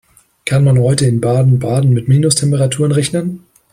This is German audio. Kann man heute in Baden-Baden mit Minustemperaturen rechnen?